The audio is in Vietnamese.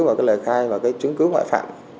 vào cái lời khai và cái chứng cứ ngoại phạm